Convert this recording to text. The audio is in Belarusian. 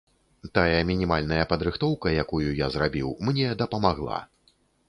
Тая мінімальная падрыхтоўка, якую я зрабіў, мне дапамагла.